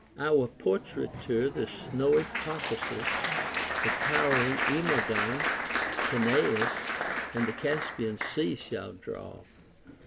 Our portraiture the snowy Caucasus, and towering Emodon, Tanais, and the Caspian Sea shall draw.